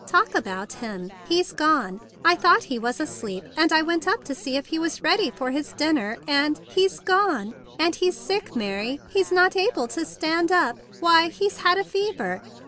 Talk about him. He's gone! I thought he was asleep; and I went up to see if he was ready for his dinner, and he's gone! And he's sick, Mary. He's not able to stand up. Why, he's had a fever.